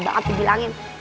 layak banget dibilangin